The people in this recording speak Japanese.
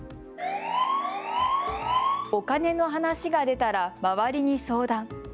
お金の話が出たら周りに相談。